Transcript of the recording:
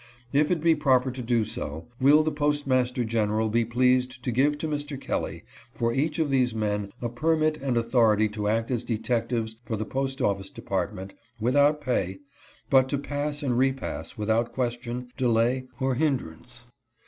If it be proper so to do, will the postmas ter general be pleased to give to Mr. Kelly, for each of these men, a permit and authority to act as detectives for the post office depart ment, without pay, but to pass and repass without question, delay, or hindrance?